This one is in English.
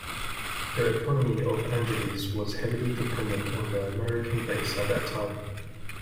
The economy of Angeles was heavily dependent on the American base at that time.